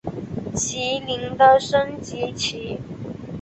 麒麟的升级棋。